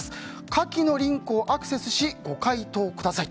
下記のリンクをアクセスしご回答ください。